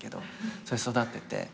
それ育てて。